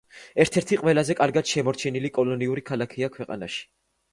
ერთ-ერთი ყველაზე კარგად შემონახული კოლონიური ქალაქია ქვეყანაში.